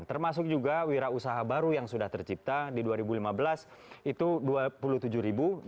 termasuk juga wira usaha baru yang sudah tercipta di dua ribu lima belas itu dua puluh tujuh ribu